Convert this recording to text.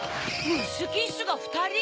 ムッシュ・キッシュがふたり？